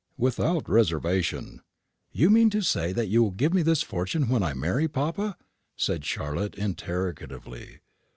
"Without reservation." "You mean to say that you will give me this fortune when I marry, papa?" said Charlotte, interrogatively.